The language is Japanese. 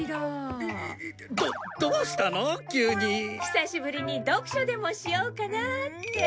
久しぶりに読書でもしようかなって。